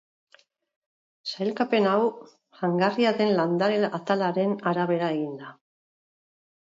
Sailkapen hau jangarria den landare atalaren arabera egin da.